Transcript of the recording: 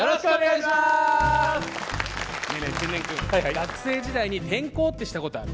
学生時代に転校ってした事ある？